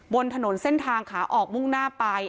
บนถนนเส้นทางขาออกมุ่งหน้าไป